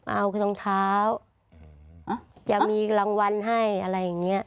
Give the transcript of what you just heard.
เอาคือรองเท้าจะมีรางวัลให้อะไรอย่างนี้